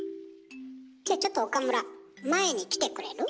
じゃちょっと岡村前に来てくれる？